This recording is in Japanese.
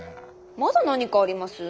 まだ何かあります？